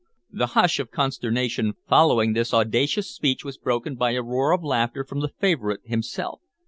The hush of consternation following this audacious speech was broken by a roar of laughter from the favorite himself.